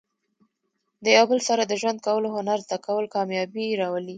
د یو بل سره د ژوند کولو هنر زده کول، کامیابي راولي.